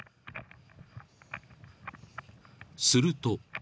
［すると］